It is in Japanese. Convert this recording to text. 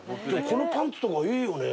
このパンツとかいいよね